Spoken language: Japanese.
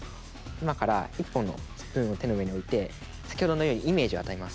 今から１本のスプーンを手の上に置いて先ほどのようにイメージを与えます。